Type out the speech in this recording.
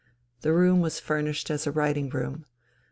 The room was furnished as a writing room.